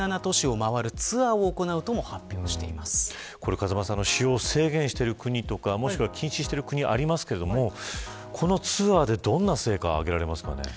風間さん使用を制限している国とか禁止している国もありますがこのツアーでどんな成果があげられますか。